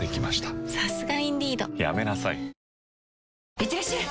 いってらっしゃい！